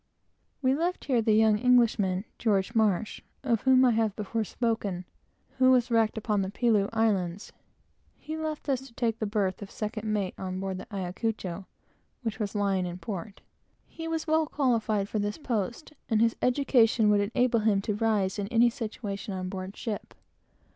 We left here the young Englishman, George Marsh, of whom I have before spoken, who was wrecked upon the Pelew Islands. He left us to take the berth of second mate on board the Ayacucho, which was lying in port. He was well qualified for this, and his education would enable him to rise to any situation on board ship.